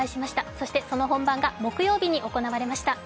そしてその本番が木曜日に行われました。